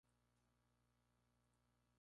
Usa baquetas Pro Mark.